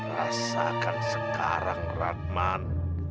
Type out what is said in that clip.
rasakan sekarang ratman